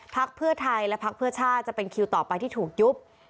พักเพื่อไทยและพักเพื่อชาติจะเป็นคิวต่อไปที่ถูกยุบ